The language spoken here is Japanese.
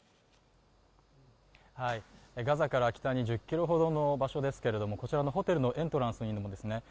ガザから北に１０キロほどの場所ですけれどもこちらのホテルのエントランスにもですね